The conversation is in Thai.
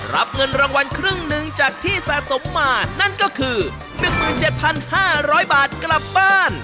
รับเงินรางวัลครึ่งหนึ่งจากที่สะสมมานั่นก็คือ๑๗๕๐๐บาทกลับบ้าน